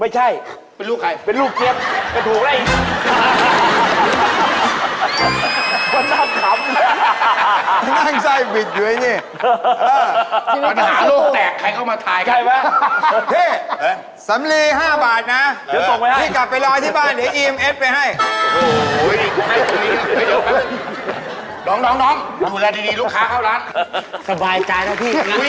จริงไหมครับ